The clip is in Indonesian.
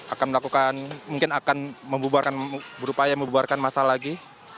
akan melakukan mungkin akan berupaya membuarkan masa lagi